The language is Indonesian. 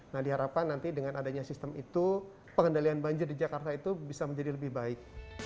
nah diharapkan nanti dengan adanya sistem itu pengendalian banjir di jakarta itu bisa menjadi lebih baik